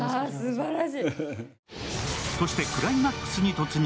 そして、クライマックスに突入。